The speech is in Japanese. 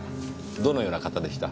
どのような方でした？